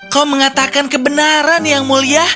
kau mengatakan kebenaran yang mulia